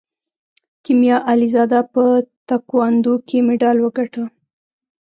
کیمیا علیزاده په تکواندو کې مډال وګاټه.